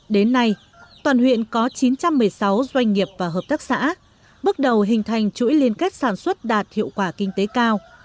đến nay toàn huyện có chín trăm một mươi sáu doanh nghiệp và hợp tác xã bước đầu hình thành chuỗi liên kết sản xuất đạt hiệu quả kinh tế cao